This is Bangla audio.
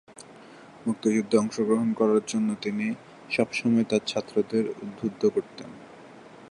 মুক্তিযুদ্ধে অংশগ্রহণ করার জন্য তিনি সবসময়ই তার ছাত্রদের উদ্বুদ্ধ করতেন।